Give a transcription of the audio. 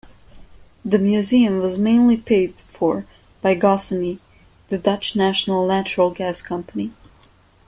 The museum was mainly paid for by Gasunie, the Dutch national natural gas company.